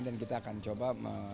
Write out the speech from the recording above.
dan kita akan coba